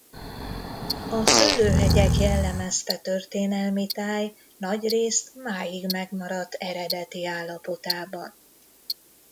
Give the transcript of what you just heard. A szőlőhegyek jellemezte történelmi táj nagyrészt máig megmaradt eredeti állapotában.